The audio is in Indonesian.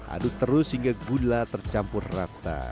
aduk terus hingga gula tercampur rata